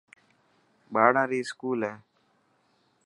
ٻاڙا ري اسڪول هي.